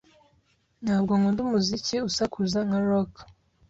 Ntabwo nkunda umuziki usakuza, nka rock.